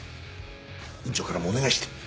院長からもお願いして。